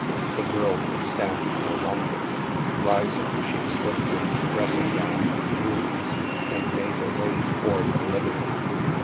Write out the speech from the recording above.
The girl could stand it no longer. Rising, she slipped into dressing gown and mules, and made her way toward the living room.